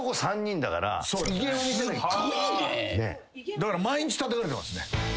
だから毎日たたかれてますね。